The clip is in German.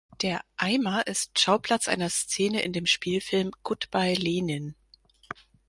Der "Eimer" ist Schauplatz einer Szene in dem Spielfilm "Good Bye, Lenin!